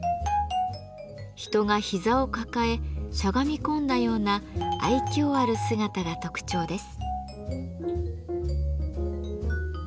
人が膝を抱えしゃがみ込んだような愛嬌ある姿が特徴です。